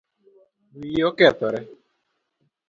Wiyi okethore